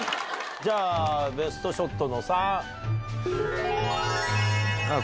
じゃあ「ベストショット」。